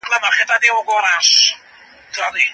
چې موږ یې ټول په ګډه نقاشي کوو.